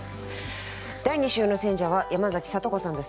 第２週の選者は山崎聡子さんです。